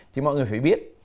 thì mọi người phải biết